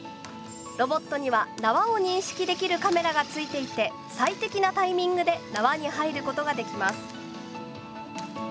ロボットには縄を認識できるカメラが付いていて最適なタイミングで縄に入ることができます。